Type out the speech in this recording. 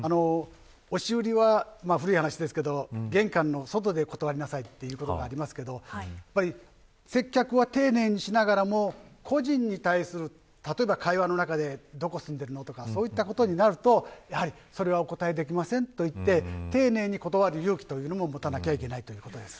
押し売りは古い話ですけど、玄関の外で断りなさいという言葉がありますが接客は丁寧にしながらも個人に対する、例えば会話の中でどこに住んでいるのとかそういったことになるとそれはお答えできませんと言って丁寧に断る勇気というのも持たなきゃいけないということです。